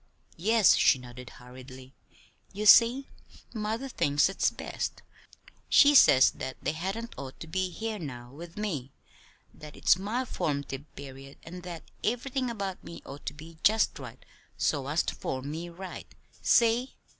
"Yes," she nodded hurriedly. "You see, mother thinks it's best. She says that they hadn't ought to be here now with me; that it's my form'tive period, and that everything about me ought to be just right so as to form me right. See?"